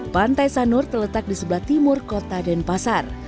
pantai sanur terletak di sebelah timur kota denpasar